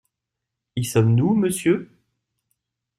Y sommes-nous, monsieur ?